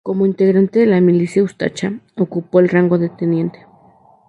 Como integrante de la Milicia Ustacha, ocupó el rango de teniente.